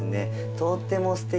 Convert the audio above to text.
とってもすてき。